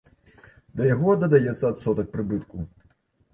Да яго дадаецца адсотак прыбытку.